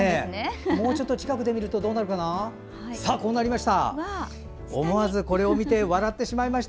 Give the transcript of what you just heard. もうちょっと近くで見るとこうなりました。